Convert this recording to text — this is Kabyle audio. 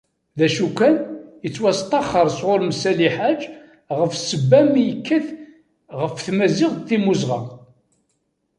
D acu kan, yettwasṭaxxer sɣur Messali Ḥaǧ, ɣef ssebba mi yekkat ɣef tmaziɣt d timmuzɣa.